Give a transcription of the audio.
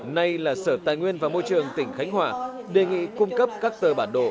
nay là sở tài nguyên và môi trường tỉnh khánh hòa đề nghị cung cấp các tờ bản đồ